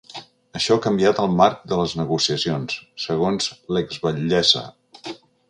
Això ha canviat el marc de les negociacions, segons l’ex-batllessa.